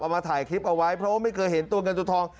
มาถ่ายคลิปเอาไว้เพราะว่าไม่เคยเห็นตัวเงินตัวทอง